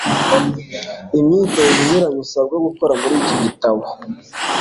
Imyitozo inyuranye usabwa gukora Muri iki gitabo